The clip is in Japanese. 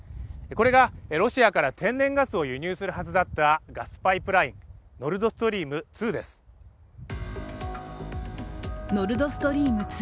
これがロシアから天然ガスを輸入するはずだったガスパイプラインノルドストリーム２です。